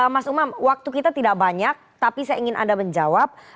mas umam waktu kita tidak banyak tapi saya ingin anda menjawab